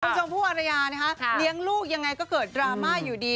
คุณผู้วรรยาเลี้ยงลูกยังไงก็เกิดดราม่าอยู่ดี